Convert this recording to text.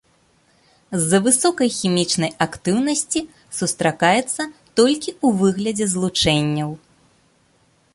З-за высокай хімічнай актыўнасці сустракаецца толькі ў выглядзе злучэнняў.